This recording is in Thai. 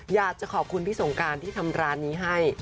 อยากจะขอบคุณพี่สงการที่ทำร้านนี้ให้